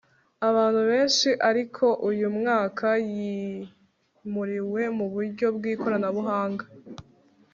abantu benshi ariko uyu mwaka yimuriwe mu buryo bw'ikoranabuhanga